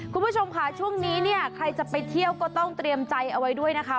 คุณผู้ชมค่ะช่วงนี้เนี่ยใครจะไปเที่ยวก็ต้องเตรียมใจเอาไว้ด้วยนะคะ